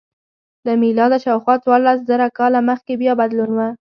له میلاده شاوخوا څوارلس زره کاله مخکې بیا بدلون و